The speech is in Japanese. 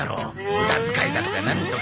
無駄遣いだとかなんとか。